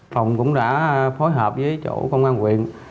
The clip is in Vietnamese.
phòng cũng đã phối hợp với chủ công an quyền